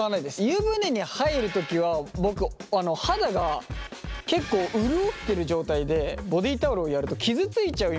湯船に入る時は僕肌が結構潤ってる状態でボディータオルをやると傷ついちゃうイメージがあるんですよ。